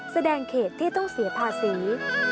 แสดงเขตที่ต้องเสียภาษี